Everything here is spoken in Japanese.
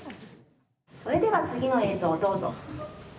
それでは次の映像どうぞ。